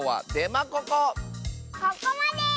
ここまで！